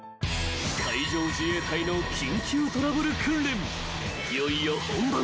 ［海上自衛隊の緊急トラブル訓練いよいよ本番］